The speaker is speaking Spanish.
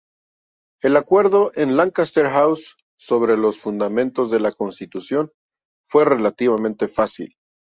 El acuerdo en Lancaster House sobre los fundamentos de la constitución fue relativamente fácil.